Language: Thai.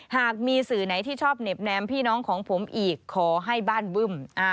หากมีสื่อไหนที่ชอบเหน็บแนมพี่น้องของผมอีกขอให้บ้านบึ้ม